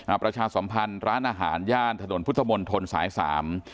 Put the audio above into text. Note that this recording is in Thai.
ประชาสมพันธ์ร้านอาหารย่านถนนพุทธมนตรสายสาม